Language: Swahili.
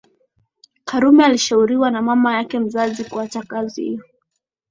Karume alishauriwa na mama yake mzazi kuacha kazi hiyo